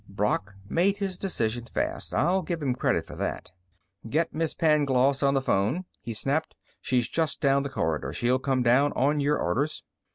Brock made his decision fast; I'll give him credit for that. "Get Miss Pangloss on the phone!" he snapped. "She's just down the corridor. She'll come down on your orders."